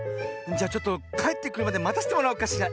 じゃちょっとかえってくるまでまたせてもらおうかしら。